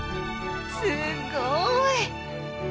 すごい！